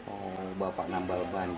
oh bapak nambal ban